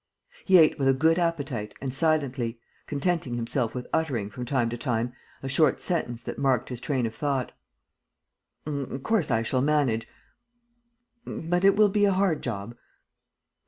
He ate with a good appetite and silently, contenting himself with uttering, from time to time, a short sentence that marked his train of thought: "Of course, I shall manage ... but it will be a hard job.